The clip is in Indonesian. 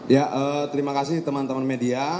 ya terima kasih teman teman media